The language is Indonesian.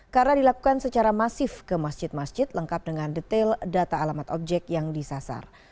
karena dilakukan secara masif ke masjid masjid lengkap dengan detail data alamat objek yang disasar